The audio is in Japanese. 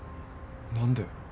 何で？